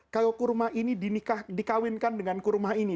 kalau kurma ini dikawinkan dengan kurma ini